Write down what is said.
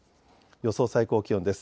予想最高気温です。